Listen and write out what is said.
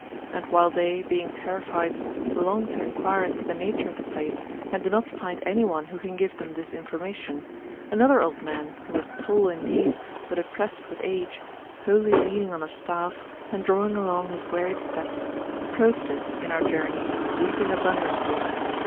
And while they, being terrified, long to inquire into the nature of the place, and do not find any one who can give them this information, another old man, who was tall, indeed, but oppressed with age, wholly leaning on a staff, and drawing along his wearied steps, approached us in our journey, weeping abundantly.